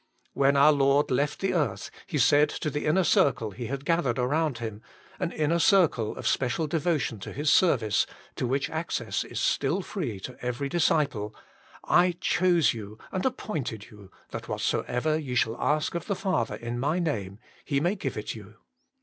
When our Lord left the earth He said to the inner circle He had gathered around Him an inner circle of special devotion to His service, to which access is still free to every disciple :" I chose you, and appointed you, that whatsoever ye shall ask of the Father in My Name, He may give it you."